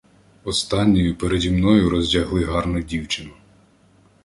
Останньою переді мною роздягали гарну дівчину.